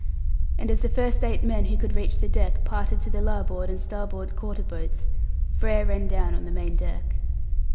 and as the first eight men who could reach the deck parted to the larboard and starboard quarter boats, Frere ran down on the main deck.